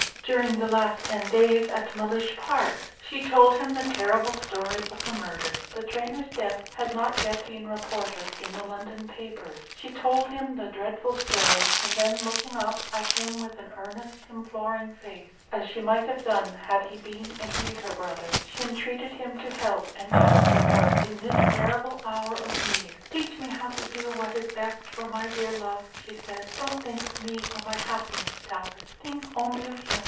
"During the last ten days at Mellish Park." She told him the terrible story of the murder. The trainer's death had not yet been reported in the London papers. She told him the dreadful story; and then, looking up Page 153 at him with an earnest, imploring face, as she might have done had he been indeed her brother, she entreated him to help and counsel her in this terrible hour of need. "Teach me how to do what is best for my dear love," she said. "Don't think of me or my happiness, Talbot; think only of him.